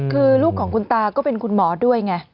คือลูกของคุณตาก็เป็นคุณหมอด้วยไง